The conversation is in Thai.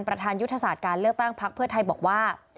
ประธานยุทธศาสตร์การเลือกตั้งพักเพื่อไทยบอกว่า